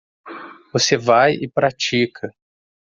Você vai e pratica.